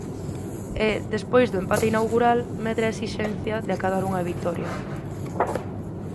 E, despois do empate inaugural, medra a esixencia de acadar unha vitoria.